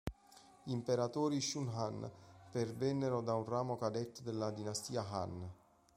Gli imperatori Shu Han pervennero da un ramo cadetto della dinastia Han.